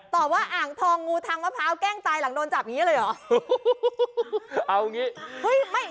ตอบอย่างนี้เลยเหรอ